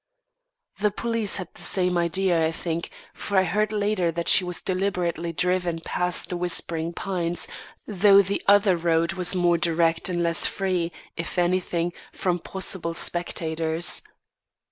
The police had the same idea, I think, for I heard later that she was deliberately driven past The Whispering Pines, though the other road was more direct and less free, if anything, from possible spectators.